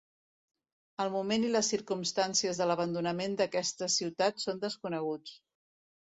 El moment i les circumstàncies de l'abandonament d'aquesta ciutat són desconeguts.